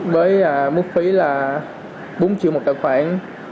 với mức phí là bốn triệu một tài khoản